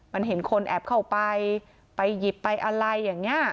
มันเห็นคนแอบเข้าไปไปหยิบไปอะไรอย่างนี้